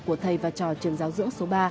của thầy và trò trường giáo dưỡng số ba